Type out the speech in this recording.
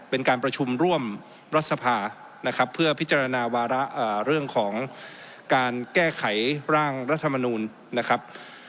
เป็นการประชุมร่วมรัฐสภานะครับเพื่อพิจารณาวาระเรื่องของการแก้ไขร่างรัฐมนูลนะครับ